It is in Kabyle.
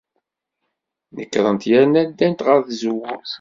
Nekrent yerna ddant ɣer tzewwut.